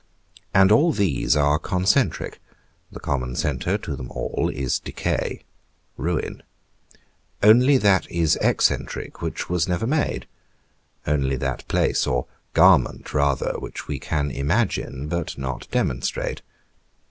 And all these are concentric; the common centre to them all is decay, ruin; only that is eccentric which was never made; only that place, or garment rather, which we can imagine but not demonstrate.